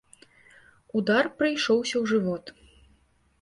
Удар прыйшоўся ў жывот.